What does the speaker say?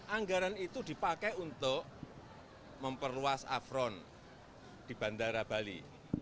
anggaran itu dipakai untuk memperluas afron di bandara bali